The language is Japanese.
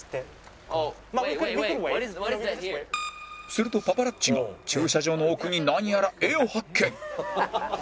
するとパパラッチが駐車場の奥に何やら画を発見